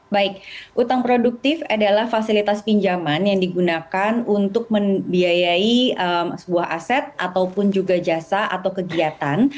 baik utang produktif adalah fasilitas pinjaman yang digunakan untuk membiayai sebuah aset ataupun juga jasa atau kegiatan